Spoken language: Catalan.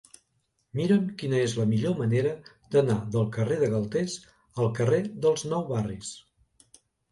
Mira'm quina és la millor manera d'anar del carrer de Galtés al carrer dels Nou Barris.